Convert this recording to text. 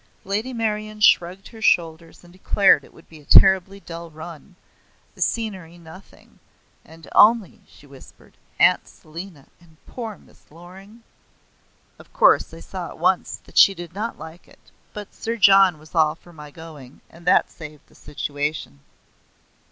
Lady Meryon shrugged her shoulders and declared it would be a terribly dull run the scenery nothing, "and only" (she whispered) "Aunt Selina and poor Miss Loring?" Of course I saw at once that she did not like it; but Sir John was all for my going, and that saved the situation.